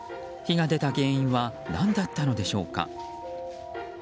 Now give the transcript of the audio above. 火が出た原因は何だったのでしょうか。